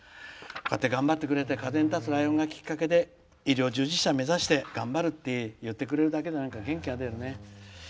こうやって頑張ってくれて「風に立つライオン」がきっかけで医療従事者になりたいと言ってくれるだけで元気が出るね。